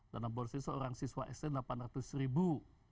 dana bos itu seorang siswa sma delapan ratus ribu